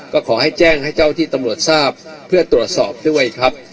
ก็ขอให้แจ้งให้เจ้าที่ตำรวจทราบเพื่อตรวจสอบด้วยครับ